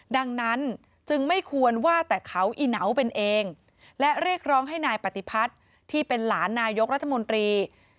ดังนั้นจึงไม่ควรว่าแต่เขาอีเหนาเป็นเองและเรียกร้องให้นายปฏิพัฒน์ที่เป็นหลานนายกรัฐมนตรี